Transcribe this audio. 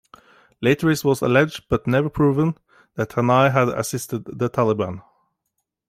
Later it was alleged, but never proven, that Tanai had assisted the Taliban.